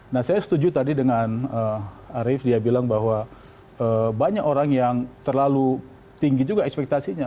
nah saya setuju tadi dengan arief dia bilang bahwa banyak orang yang terlalu tinggi juga ekspektasinya